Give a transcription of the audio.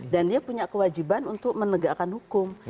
dan dia punya kewajiban untuk menegakkan hukum